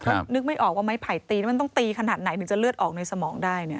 ก็นึกไม่ออกว่าไม้ไผ่ตีนี่มันต้องตีขนาดไหนถึงจะเลือดออกในสมองได้เนี่ย